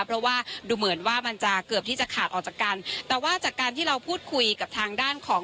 เพราะว่าดูเหมือนว่ามันจะเกือบที่จะขาดออกจากกันแต่ว่าจากการที่เราพูดคุยกับทางด้านของ